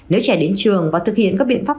nếu trẻ đến trường và thực hiện các biện pháp